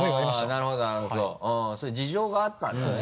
なるほどなるほどそういう事情があったんだね。